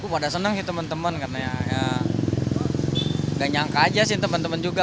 pada seneng sih teman teman karena ya nggak nyangka aja sih teman teman juga